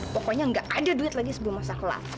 pokoknya gak ada duit lagi sebelum masa kelap